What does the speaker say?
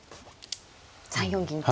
３四銀と。